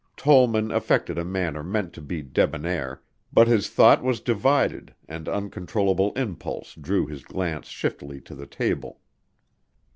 Tollman affected a manner meant to be debonair, but his thought was divided and uncontrollable impulse drew his glance shiftily to the table.